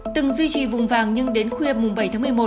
từng duy trì vùng vàng nhưng đến khuya mùng bảy tháng một mươi một